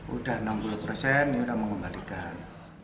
sudah enam puluh persen ini sudah menggembalikan